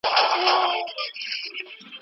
زه د خپل هیواد په اړه تاریخي معلومات ټولوم.